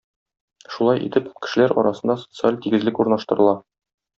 Шулай итеп, кешеләр арасында социаль тигезлек урнаштырыла.